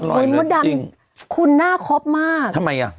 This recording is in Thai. โอ๊ยมันดังคุณน่าครอบมากทำไมอ่ะ